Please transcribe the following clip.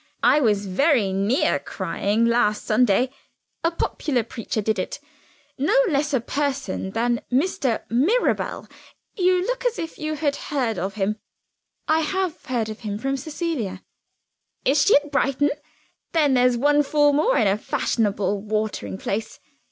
I was very near crying last Sunday. A popular preacher did it; no less a person that Mr. Mirabel you look as if you had heard of him." "I have heard of him from Cecilia." "Is she at Brighton? Then there's one fool more in a fashionable watering place.